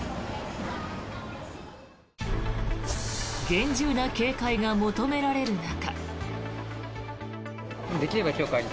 厳重な警戒が求められる中。